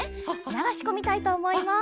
ながしこみたいとおもいます。